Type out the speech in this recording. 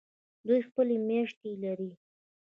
دوی خپلې میاشتې لري.